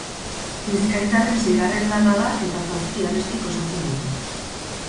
Bizkaitarren seigarren lana da eta zazpi abestik osatzen dute.